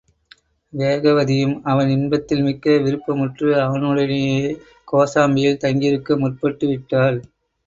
வேகவதியும் அவன் இன்பத்தில் மிக்க விருப்பமுற்று, அவனுடனேயே கோசாம்பியில் தங்கியிருக்க முற்பட்டுவிட்டாள்.